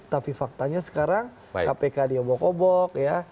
tapi faktanya sekarang kpk diobok obok ya